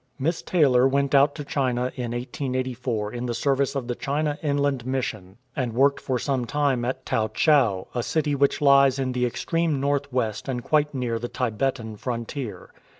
Miss Taylor went out to China in 1884 in the service of the China Inland Mission, and worked for some time at Tau chau, a city which lies in the extreme north west and quite near the Tibetan frontier.